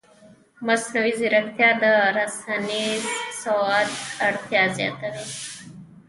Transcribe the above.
مصنوعي ځیرکتیا د رسنیز سواد اړتیا زیاتوي.